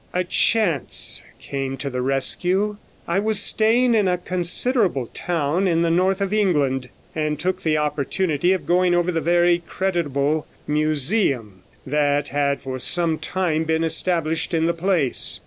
A chance came to the rescue. I was staying in a considerable town in the north of England, and took the opportunity of going over the very creditable museum that had for some time been established in the place.